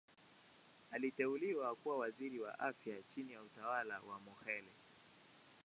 Aliteuliwa kuwa Waziri wa Afya chini ya utawala wa Mokhehle.